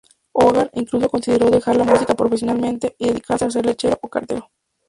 Hogarth incluso consideró dejar la música profesionalmente y dedicarse a ser lechero o cartero.